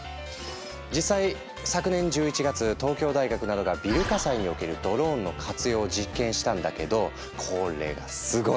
実際昨年１１月東京大学などがビル火災におけるドローンの活用を実験したんだけどこれがすごい！